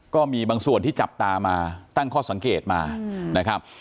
ก็มีบางส่วนที่จับตามาตั้งข้อสังเกตมานะครับ